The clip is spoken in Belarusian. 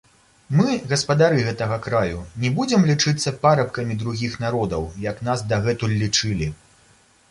Мы, гаспадары гэтага краю, не будзем лічыцца парабкамі другіх народаў, як нас дагэтуль лічылі.